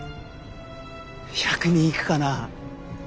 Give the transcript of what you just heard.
１００人いくかな？